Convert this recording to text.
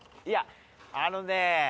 いやあのね。